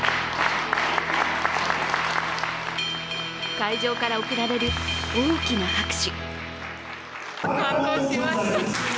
会場から送られる大きな拍手。